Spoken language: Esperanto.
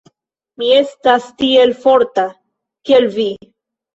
Mi estas tiel forta, kiel vi.